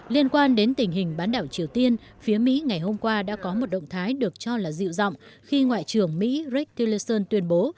liên quan đến tình hình bán đảo triều tiên phía mỹ ngày hôm qua đã có một động thái được cho là dịu rộng khi ngoại trưởng mỹ rekellerson tuyên bố